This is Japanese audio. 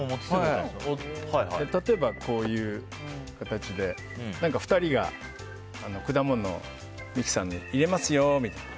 例えば、こういう形で２人が果物をミキサーに入れますよみたいな。